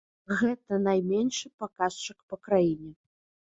Гэта найменшы паказчык па краіне.